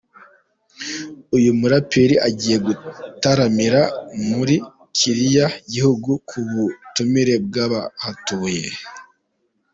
Uyu muraperi agiye gutaramira muri kiriya Gihugu ku butumire bw’abahatuye .